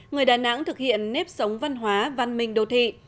người đà nẵng thực hiện nếp sống văn hóa văn minh đô thị